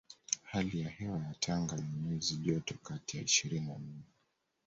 Hali ya hewa ya Tanga ni nyuzi joto kati ya ishirini na nne